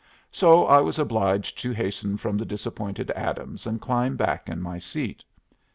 So I was obliged to hasten from the disappointed Adams and climb back in my seat.